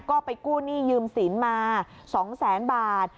ก็ไปกู้หนี้ยืมสินมา๒แสนบาท